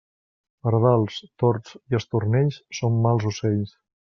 Pardals, tords i estornells són mals ocells.